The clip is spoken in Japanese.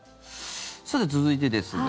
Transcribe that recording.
さて、続いてですが。